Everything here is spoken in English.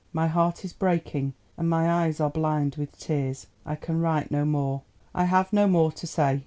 My heart is breaking and my eyes are blind with tears; I can write no more; I have no more to say.